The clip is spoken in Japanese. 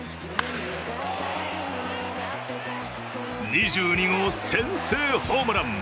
２２号先制ホームラン。